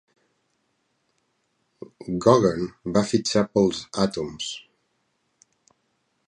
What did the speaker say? Gogan va fitxar pels Atoms.